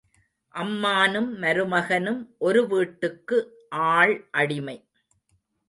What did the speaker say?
அம்மானும் மருமகனும் ஒரு வீட்டுக்கு ஆள் அடிமை.